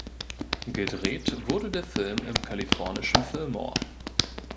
Gedreht wurde der Film im kalifornischen Fillmore.